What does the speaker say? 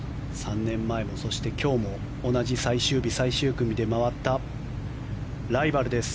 ３年前もそして今日も同じ最終日、最終組で回ったライバルです。